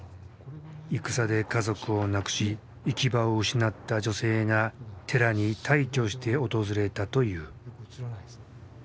戦で家族を亡くし行き場を失った女性が寺に大挙して訪れたという。